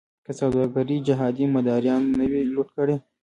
که سوداګري جهادي مداریانو نه وی لوټ کړې.